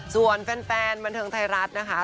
ส่วนแฟนบันเทิงไทยรัฐนะคะ